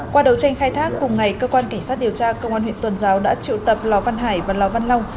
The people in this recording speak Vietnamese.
qua đấu tranh khai thác cùng ngày cơ quan cảnh sát điều tra công an huyện tuần giáo đã triệu tập lò văn hải và lò văn long